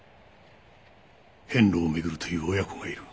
遍路を巡るという親子がいる。